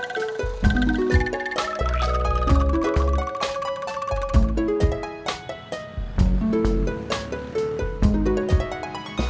semoga selamat sampai tujuan